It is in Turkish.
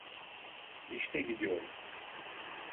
İşte gidiyorum.